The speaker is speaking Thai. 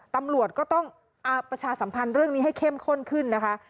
ตำรวจก็ต้องประชาสัมพันธ์เรื่องนี้ให้เข้มข้นขึ้นนะคะ